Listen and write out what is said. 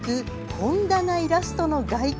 本棚イラストの外観。